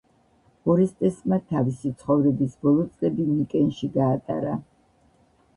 ორესტესმა თავისი ცხოვრების ბოლო წლები მიკენში გაატარა.